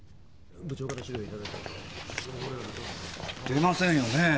出ませんよねぇ？